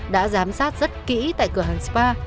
đã giám sát rất kỹ tại cửa hàng spa